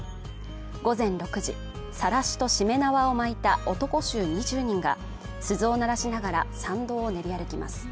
午前６時さらしとしめ縄を巻いた男衆２０人が鈴を鳴らしながら参道を練り歩きます